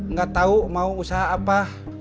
nggak tahu mau usaha apa